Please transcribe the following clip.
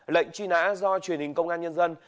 lệnh truy nã do truyền hình công an nhân dân